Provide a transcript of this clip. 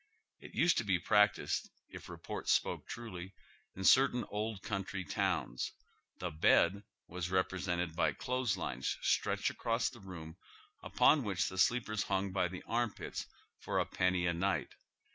It used to be practised, if report spoke truly, in certain old country towns. The " bed " was represented by clothes lines stretched across the room upon which the sleepers hung by the arm pits for a penny a night.